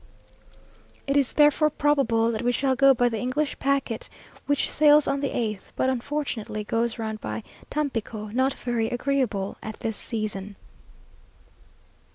It is therefore probable that we shall go by the English packet, which sails on the eighth, but unfortunately goes round by Tampico, not very agreeable at this season.